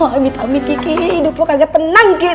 amit amit kiki hidup lu kagak tenang kiki